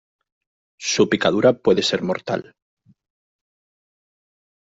su picadura puede ser mortal.